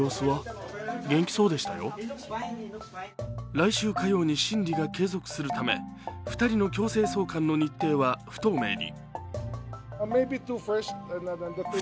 来週火曜に審理が継続するため２人の強制送還の日程は不透明に。